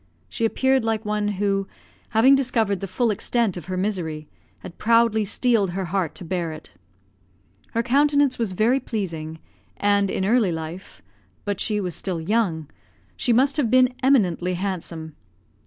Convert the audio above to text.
She appeared like one who, having discovered the full extent of her misery, had proudly steeled her heart to bear it. Her countenance was very pleasing, and, in early life (but she was still young), she must have been eminently handsome.